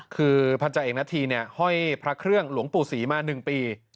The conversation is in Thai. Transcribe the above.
คือพันธาเอกนาธีห้อยพระเครื่องหลวงปู่ศรีมา๑ปี